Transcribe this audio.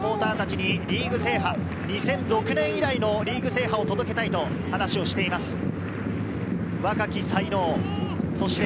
サポーターたちにリーグ制覇、２００６年以来のリーグ制覇を届けたいと話をしています。